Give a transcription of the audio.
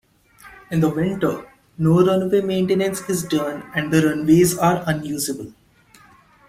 In the winter, no runway maintenance is done and the runways are unusable.